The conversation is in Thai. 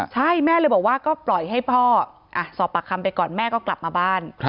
ใช่แม่เลยบอกว่าก็ปล่อยให้พ่อสอบปากคำไปก่อนแม่ก็กลับมาบ้าน